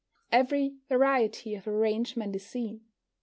Every variety of arrangement is seen.